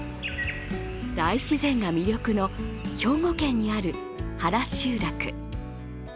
大自然が魅力の兵庫県にある原集落。